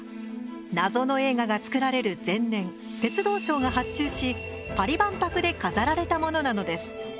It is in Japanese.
謎の映画が作られる前年鉄道省が発注しパリ万博で飾られたものなのです。